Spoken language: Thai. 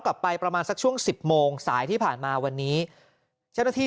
ประมาณสักช่วงสิบโมงสายที่ผ่านมาวันนี้เจ้าหน้าที่